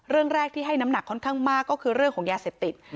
เรื่องแรกที่ให้น้ำหนักค่อนข้างมากก็คือเรื่องของยาเสพติด